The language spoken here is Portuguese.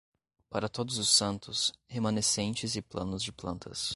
Para Todos os Santos, remanescentes e planos de plantas.